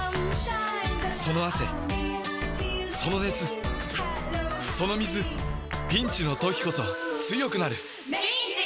その汗その熱その水ピンチの時こそ強くなる！